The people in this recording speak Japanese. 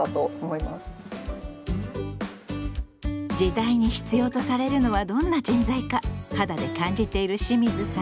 時代に必要とされるのはどんな人材か肌で感じている清水さん。